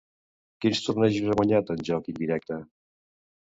Quins tornejos ha guanyat en joc indirecte?